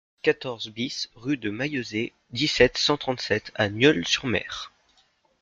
quatorze BIS rue de Maillezais, dix-sept, cent trente-sept à Nieul-sur-Mer